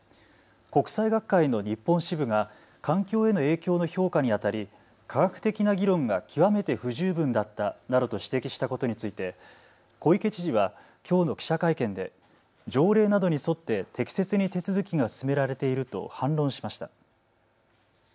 国際学会の日本支部が環境への影響の評価にあたり科学的な議論が極めて不十分だったなどと指摘したことについて小池知事はきょうの記者会見で条例などに沿って適切に手続きが進められていると反論しました。